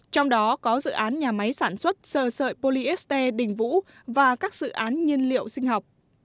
trong đó có dự án nhà máy sản xuất sơ sợi polyester đình vũ và các dự án nhiên liệu sinh học